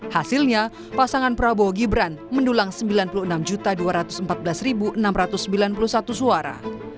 hasilnya pasangan prabowo gibran mendulang sembilan puluh enam dua ratus empat belas enam ratus sembilan puluh satu suara